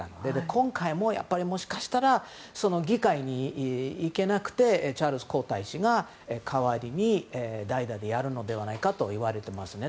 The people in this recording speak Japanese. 今回ももしかしたら議会に行けなくてチャールズ皇太子が代打でやるのではないかといわれていますね。